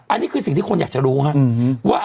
อันนี้คือสิ่งที่คนอยากจะรู้ครับว่า